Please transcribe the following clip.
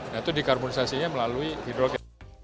dan itu dikarbonisasinya melalui hidrogen